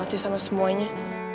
salah sih sama semuanya